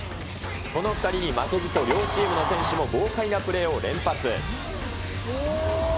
この２人に負けじと両チームの選手も豪快なプレーを連発。